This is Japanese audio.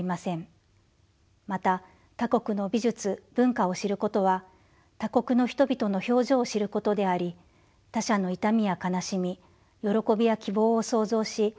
また他国の美術文化を知ることは他国の人々の表情を知ることであり他者の痛みや悲しみ喜びや希望を想像し共感することでもあります。